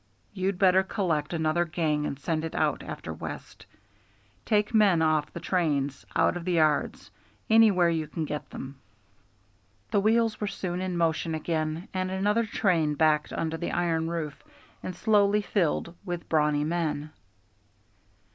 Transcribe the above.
You'd better collect another gang and send it out after West. Take men off the trains, out of the yards, anywhere you can get them." The wheels were soon in motion again, and another train backed under the iron roof and slowly filled with brawny men.